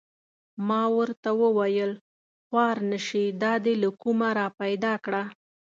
ما ورته و ویل: خوار نه شې دا دې له کومه را پیدا کړه؟